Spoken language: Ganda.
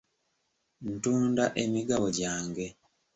Ntunda emigabo gyange.